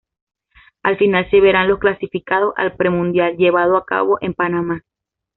Al final se verán los clasificados al premundial llevado a cabo en Panamá.